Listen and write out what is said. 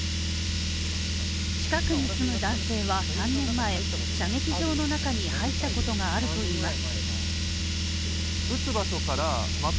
近くに住む男性は３年前、射撃場の中に入ったことがあるといいます。